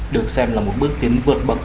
được xem là một bước tiến vượt bậc